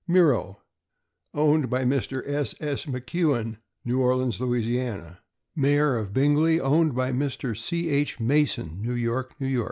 Miro, owned by Mr. S. S. McCuen, New Orleans, La. ; Mayor of Bingley, owned by Mr. C. H. Mason, New York, N. Y.